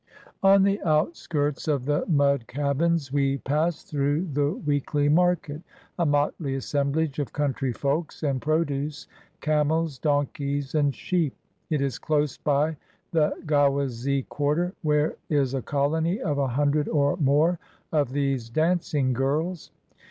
On the outskirts of the mud cabins we pass through the weekly market, a motley assemblage of country folks and produce, camels, donkeys, and sheep. It is close by the Ghawazee quarter, where is a colony of a hundred or more of these dancing girls.